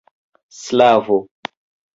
slavo